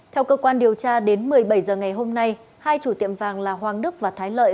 theo cơ quan điều tra đến một mươi bảy h ngày hôm nay hai chủ tiệm vàng là hoàng đức và thái lợi